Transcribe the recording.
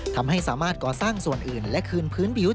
ทำให้สามารถก่อสร้างส่วนอื่นและคืนพื้นผิว